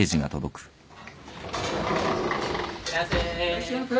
いらっしゃいませ。